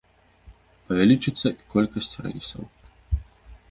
Павялічыцца і колькасць рэйсаў.